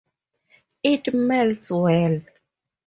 It melts well.